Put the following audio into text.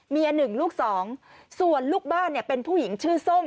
เมียหนึ่งลูกสองส่วนลูกบ้านเป็นผู้หญิงชื่อสม